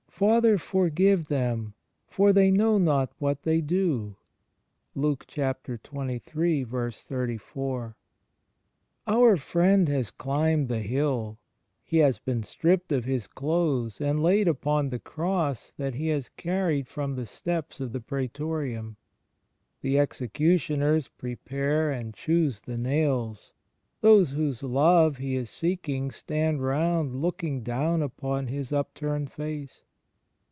^^ Father, forgive them, Jor they know not what they do^ * Our Friend has climbed the Hill; He has been stripped of His clothes and laid upon the Cross that He has carried from the steps of the Praetorium. The execu tioners prepare and choose the nails. ... Those whose love He is seeking stand roimd looking down upon His upturned face.